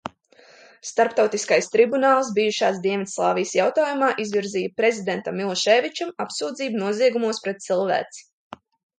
Starptautiskais tribunāls bijušās Dienvidslāvijas jautājumā izvirzīja prezidentam Miloševičam apsūdzību noziegumos pret cilvēci.